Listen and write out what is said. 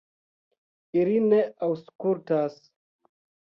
Ili ne aŭskultas.